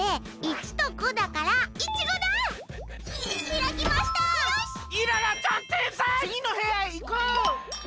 つぎのへやへいこう！